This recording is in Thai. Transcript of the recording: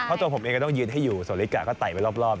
เพราะตัวผมเองก็ต้องยืนให้อยู่ส่วนลิกาก็ต่ายไปรอบรอบ